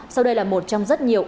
sau đây là một trong rất nhiều